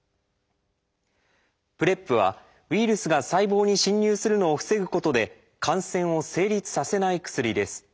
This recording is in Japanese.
ＰｒＥＰはウイルスが細胞に侵入するのを防ぐことで感染を成立させない薬です。